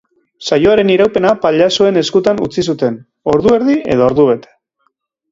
Saioaren iraupena pailazoen eskutan utzi zuten, ordu erdi edo ordubete.